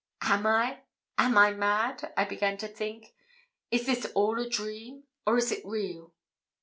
'Am I am I mad?' I began to think. 'Is this all a dream, or is it real?'